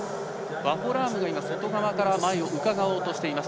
ワホラームが外側から前をうかがおうとしています。